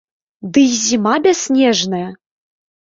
Ды й зіма бясснежная!